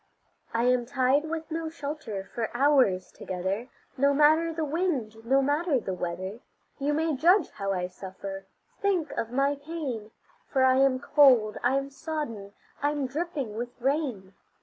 I am tied with no shelter for hours together, No matter the wind, no matter the weather; You may judge how I suffer, think of my pain, For I am cold, I am sodden, I'm dripping with rain.